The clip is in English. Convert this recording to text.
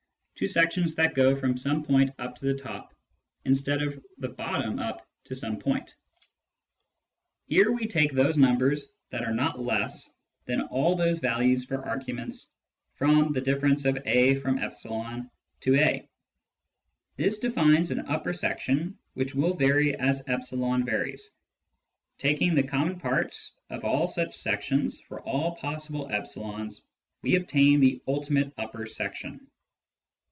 to sections that go from some point up to the top, instead of from the bottom up to some point. Here we take those numbers that are not less than all the values for arguments from a— e to a ; this defines an upper section which will vary as e varies. Taking the common part of all such sections for all possible e's, we obtain the " ultimate upper section."